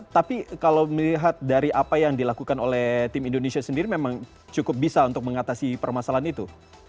tapi kalau melihat dari apa yang dilakukan oleh tim indonesia sendiri memang cukup bisa untuk mengatasi permasalahan itu